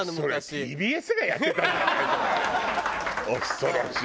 恐ろしい。